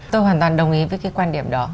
tôi hoàn toàn đồng ý với cái quan điểm đó